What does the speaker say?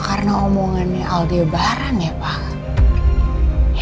kalau ada apa habis